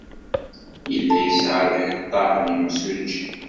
Yella yesɛa lḥeṭṭa n yimsujji?